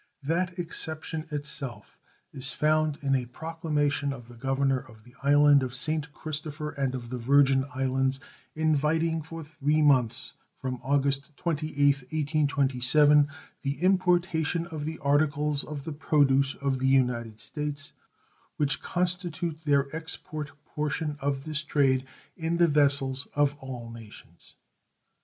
That exception itself is found in a proclamation of the governor of the island of St. Christopher and of the Virgin Islands, inviting for three months from August 28th, 1827 the importation of the articles of the produce of the United States which constitute their export portion of this trade in the vessels of all nations.